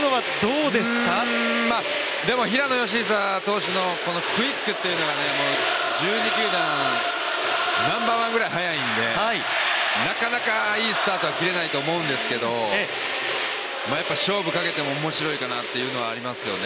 うーんでも平野投手のクイックっていうのが１２球団ナンバーワンぐらい速いのでなかなかいいスタートは切れないと思うんですけど、勝負かけても面白いかなというのはありますよね